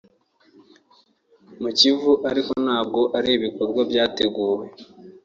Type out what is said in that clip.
mu Kivu ariko ntabwo ari ibikorwa byateguwe